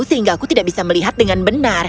sehingga aku tidak bisa melihat dengan benar